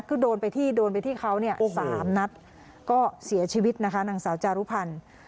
คือโดนไปที่โดนไปที่เขาเนี่ยสามนัดก็เสียชีวิตนะคะนางสาวจารุพันธ์